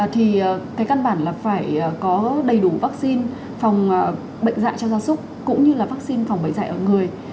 thì cái căn bản là phải có đầy đủ vắc xin phòng bệnh dạy cho gia súc cũng như là vắc xin phòng bệnh dạy ở người